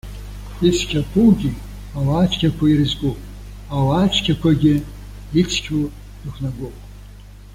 Ицқьақәоугьы, ауаа цқьақәа ирзкуп, ауаа цқьақәагьы ицқьоу рықәнагоуп.